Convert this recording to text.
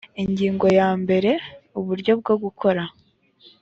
ingingo ya mbere uburyo bwo gukora